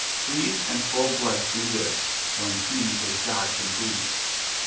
Pleased and full blest he lives, when he his God can please.